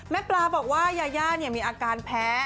แม่ปลาบอกว่ายาย่านเนี่ยมีอาการแพ้